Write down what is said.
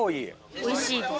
おいしいです。